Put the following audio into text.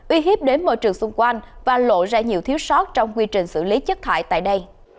uy hiếp đến môi trường xung quanh và lộ ra nhiều thiếu sót trong quy trình xử lý chất thải tại đây